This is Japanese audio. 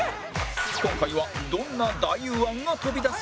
今回はどんな太夫案が飛び出すのか？